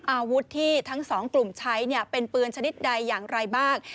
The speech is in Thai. อาวุธที่ทั้งสองกลุ่มใช้เป็นปืนชนิดใดอย่างไรบ้าง